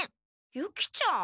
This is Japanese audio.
ユキちゃん。